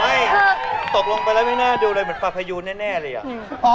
ตกลงไปแล้วไม่น่าดูเลยเหมือนปลาพยูนแน่เลยอ่ะ